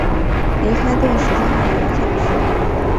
离开店时间还有两个小时